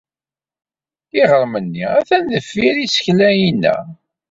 Iɣrem-nni atan deffir yisekla-inna.